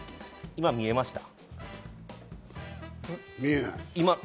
今、見えました。